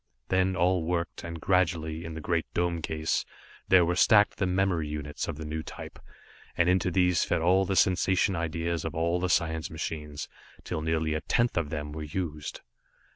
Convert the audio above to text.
Then all worked, and gradually, in the great dome case, there were stacked the memory units of the new type, and into these fed all the sensation ideas of all the science machines, till nearly a tenth of them were used.